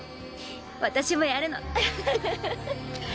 私もやるの。